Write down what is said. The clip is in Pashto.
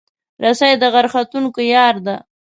رسۍ د غر ختونکو یار ده.